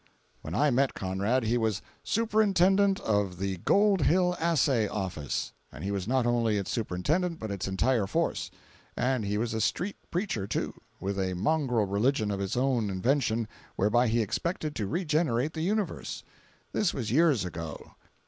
When I met Conrad, he was "Superintendent of the Gold Hill Assay Office"—and he was not only its Superintendent, but its entire force. And he was a street preacher, too, with a mongrel religion of his own invention, whereby he expected to regenerate the universe. This was years ago.